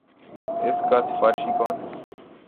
اس کا سفارشی کون ہے۔